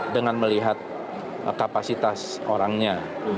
dengan melihat kapasitas orangnya